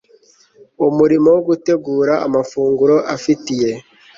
Umurimo wo gutegura amafunguro afitiye